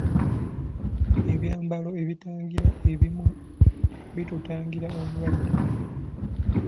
Ebyambalo ebitangira ebimu bitutangira obulwadde.